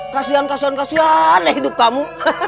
kasian kasian kasian hidup kamu